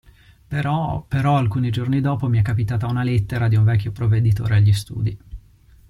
Però, però alcuni giorni dopo mi è capitata una lettera di un vecchio Provveditore agli studi.